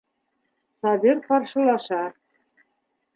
Сабир ҡаршылаша.